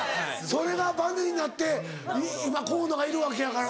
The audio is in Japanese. それがバネになって今河野がいるわけやからな。